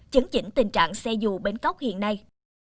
chấn chỉnh tình trạng xe dù bến cóc hiện nay